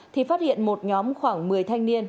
thì phát hiện một nhóm khoảng một mươi thanh niên